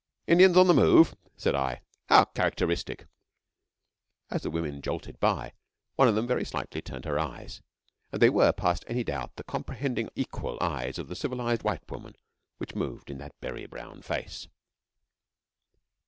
'Indians on the move?' said I. 'How characteristic!' As the women jolted by, one of them very slightly turned her eyes, and they were, past any doubt, the comprehending equal eyes of the civilised white woman which moved in that berry brown face.